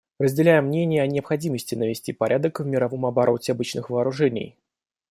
Разделяем мнение о необходимости навести порядок в мировом обороте обычных вооружений.